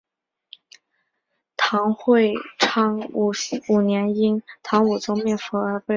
唐会昌五年因唐武宗灭佛而被毁。